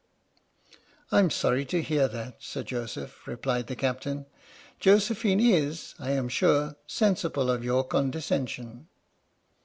" I'm sorry to hear that, Sir Joseph," replied the Captain, "Josephine is, I am sure, sensible of your condescension."